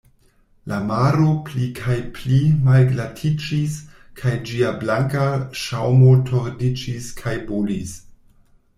La maro pli kaj pli malglatiĝis kaj ĝia blanka ŝaŭmo tordiĝis kaj bolis.